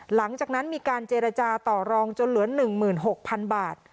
หลังจากนั้นมีการเจรจาต่อรองจนเหลือ๑๖๐๐๐บาท